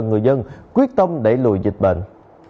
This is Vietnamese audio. người dân quyết tâm để lùi dịch bệnh